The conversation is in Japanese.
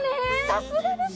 さすがです！